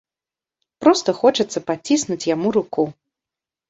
Проста хочацца паціснуць яму руку.